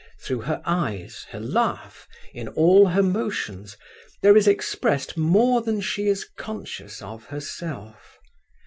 Through her eyes, her laugh, in all her motions, there is expressed more than she is conscious of herself.